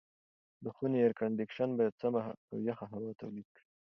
د خونې اېرکنډیشن باید سمه او یخه هوا تولید کړي.